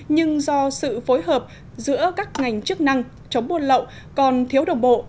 nhưng do sự phối hợp giữa các ngành chức năng chống buôn lậu còn thiếu đồng bộ